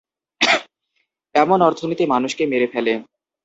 এমন অর্থনীতি মানুষকে মেরে ফেলে।